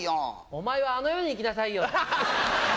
お前はあの世に行きなさいよ。